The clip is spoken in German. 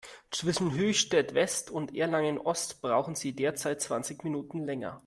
Zwischen Höchstadt-West und Erlangen-Ost brauchen Sie derzeit zwanzig Minuten länger.